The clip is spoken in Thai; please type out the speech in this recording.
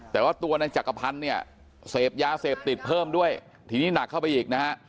แต่ว่าตัวในจักรพันธ์เนี่ยเสพยาเสพติดเพิ่มด้วยทีนี้หนักเข้าไปอีกนะฮะ